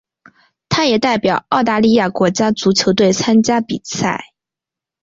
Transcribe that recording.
他也代表澳大利亚国家足球队参加比赛。